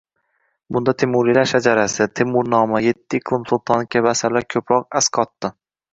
Bunda «Temuriylar shajarasi», «Temurnoma», «Etti iqlim sultoni» kabi asarlar ko‘proq asqotdi